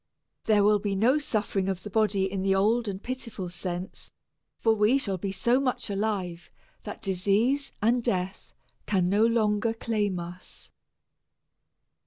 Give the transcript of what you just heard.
There will be no suffering of the body in the old and pitiful sense, for we shall be so much alive that disease and death can no longer claim us.